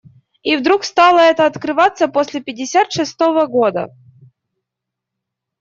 И вдруг стало это открываться после пятьдесят шестого года